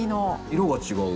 色が違う。